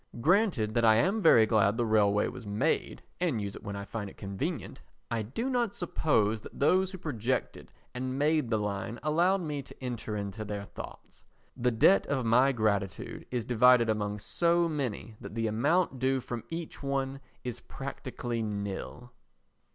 Granted that I am very glad the railway was made and use it when I find it convenient, I do not suppose that those who projected and made the line allowed me to enter into their thoughts; the debt of my gratitude is divided among so many that the amount due from each one is practically nil.